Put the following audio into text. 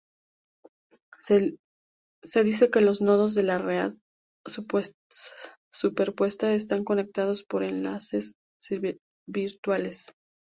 Se dice que los nodos de la red superpuesta están conectados por enlaces virtuales.